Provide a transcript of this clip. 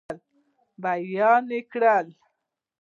بیان یې کړئ.